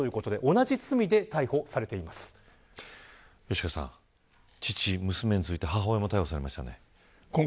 吉川さん、父、娘に続いて母親も逮捕されましたね。